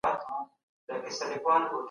انلاين درسونه د وخت تنظيم بې توجه نه کيږي.